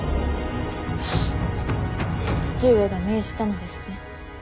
父上が命じたのですね。